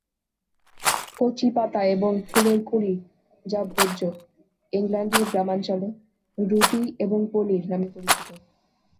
কচি পাতা এবং ফুলের কুঁড়ি, যা ভোজ্য, ইংল্যান্ডের গ্রামাঞ্চলে "রুটি এবং পনির" নামে পরিচিত।